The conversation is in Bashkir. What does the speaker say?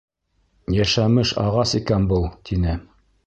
Йәшәмеш ағас икән был, - тине.